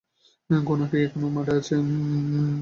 গুনা কি এখনো মাঠে আছে?